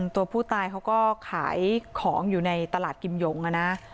ตัวผู้ตายเขาก็ขายของอยู่ในตลาดกิมหยงนะ